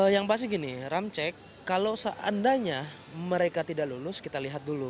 yang pasti gini ramcek kalau seandainya mereka tidak lulus kita lihat dulu